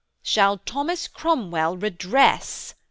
'Shall Thomas Cromwell redress?'